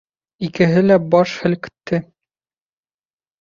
Икеһе лә баш һелкте.